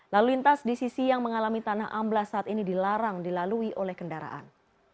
lalu lintas di sisi yang mengalami tanah amblas saat ini dilarang dilalui oleh kendaraan